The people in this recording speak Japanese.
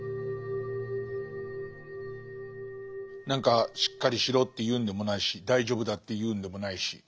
何かしっかりしろっていうんでもないし大丈夫だっていうんでもないし。